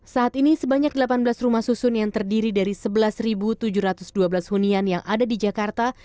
saat ini sebanyak delapan belas rumah susun yang terdiri dari sebelas tujuh ratus dua belas hunian yang ada di jakarta